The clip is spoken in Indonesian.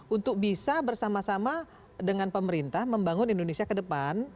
untuk bisa bersama sama dengan pemerintah membangun indonesia ke depan